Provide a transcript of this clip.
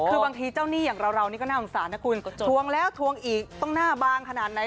คือบางทีเจ้าหนี้อย่างเรานี่ก็น่าสงสารนะคุณทวงแล้วทวงอีกต้องหน้าบางขนาดไหน